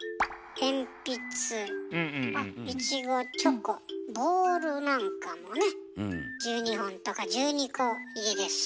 鉛筆いちごチョコボールなんかもね１２本とか１２個入りです。